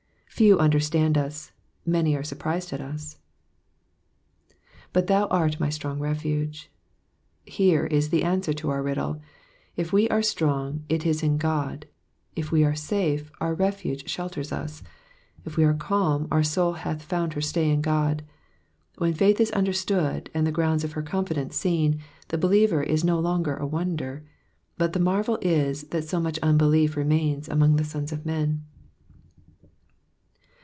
Few understand us, many are surprised at us. ''''But thou art my strong refuge." Here is the answer to our riddle. If we are strong, it is in God ; if we are safe, our refuge shelters us ; if we are calm, our soul hath found her stay in God. When faith is understood, and the grounds of her confidence seen, the believer is no longer a wonder ; but the marvel is that so much unbelief remains among the sons of men.